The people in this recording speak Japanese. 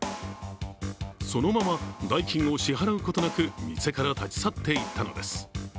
そのまま代金を支払うことなく店から立ち去っていったのです。